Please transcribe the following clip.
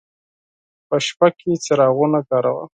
په شپه کې څراغونه کاروه.